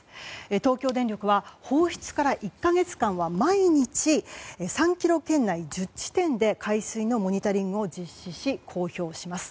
東京電力は放出から１か月間は毎日３ｋｍ圏内１０地点で海水のモニタリングを実施し公表します。